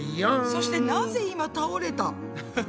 そしてなぜ今倒れた？